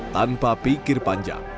tanpa pikir panjang